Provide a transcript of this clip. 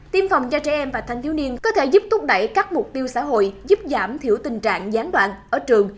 tiêm phòng cho trẻ em và thanh thiếu niên có thể giúp thúc đẩy các mục tiêu xã hội giúp giảm thiểu tình trạng gián đoạn ở trường